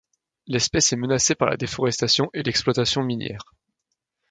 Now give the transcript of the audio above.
L'espèce est menacée par la déforestation et l'exploitation minière.